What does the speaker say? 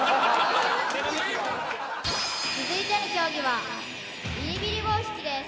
続いての競技はビリビリ棒引きです